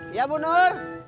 iya bu nur